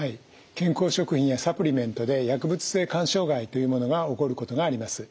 健康食品やサプリメントで薬物性肝障害というものが起こることがあります。